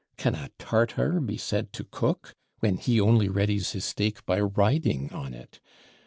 Can a Tartar be said to cook, when he only readies his steak by riding on it?